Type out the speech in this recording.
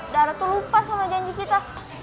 darah tuh lupa sama janji kita